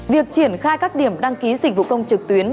việc triển khai các điểm đăng ký dịch vụ công trực tuyến